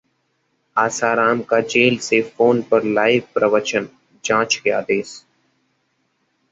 आसाराम का जेल से फोन पर 'लाइव प्रवचन', जांच के आदेश